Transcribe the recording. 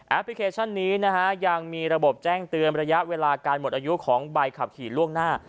พลิเคชันนี้นะฮะยังมีระบบแจ้งเตือนระยะเวลาการหมดอายุของใบขับขี่ล่วงหน้า